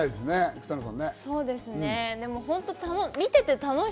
草野さん。